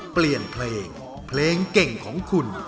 เปลี่ยนเพลงเพลงเก่งของคุณ